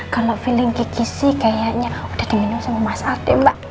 kalau feeling kiki sih kayaknya udah diminum sama mas ade mbak